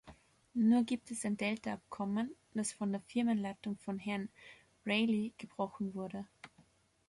Nur gibt es ein Delta-Abkommen, das von der Firmenleitung von Herrn Reilly gebrochen wurde.